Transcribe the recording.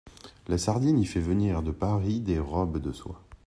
La sardine y fait venir de Paris des robes de soie.